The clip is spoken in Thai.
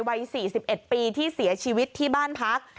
วัย๔๑ปีที่เสียชีวิตที่บ้านพัก